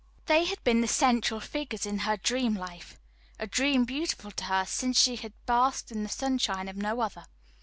They had been the central figures in her dream of life a dream beautiful to her, since she had basked in the sunshine of no other.